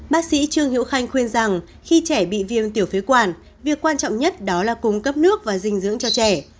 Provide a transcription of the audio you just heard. bác sĩ trương hữu khanh khuyên rằng khi trẻ bị viêm tiểu phế quản việc quan trọng nhất đó là cung cấp nước và dinh dưỡng cho trẻ